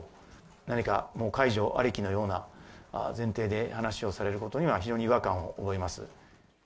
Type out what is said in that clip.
何かもう解除ありきのような、前提で話をされることには非常に違和感を覚えます。